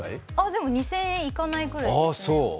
でも２０００円いかないぐらい。